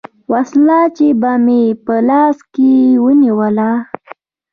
وسله چې به مې په لاس کښې ونېوله.